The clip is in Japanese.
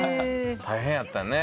大変やったね。